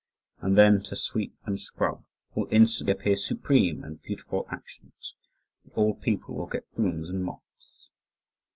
and then "to sweep and scrub will instantly appear supreme and beautiful actions ... and all people will get brooms and mops."